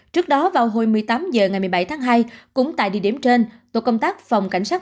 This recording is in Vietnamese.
trước đó vào hồi một mươi tám h ngày một mươi bảy tháng hai cũng tại địa điểm trên tổ công tác phòng cảnh sát